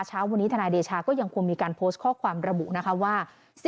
เช้าวันนี้ทนายเดชาก็ยังคงมีการโพสต์ข้อความระบุนะคะว่า